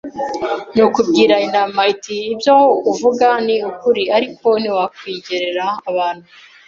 Nuko ibwira intama iti ibyo uvuga ni ukuri ariko ntitwakwigerera abantu